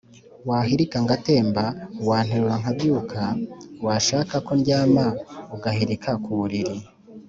Wahirika ngatembaWanterura nkabyukaWashaka ko ndyamaUgahirika ku buriri